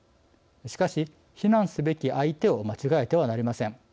しかし、非難すべき相手を間違えてはなりません。